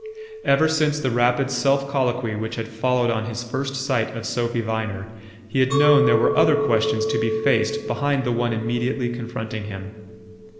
Ever since the rapid self colloquy which had followed on his first sight of Sophy Viner, he had known there were other questions to be faced behind the one immediately confronting him.